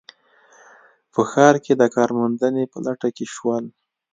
په ښار کې د کار موندنې په لټه کې شول